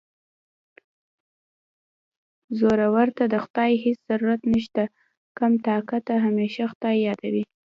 زورور ته د خدای هېڅ ضرورت نشته کم طاقته همېشه خدای یادوي